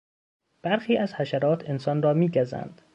برخی از حشرات انسان را میگزند.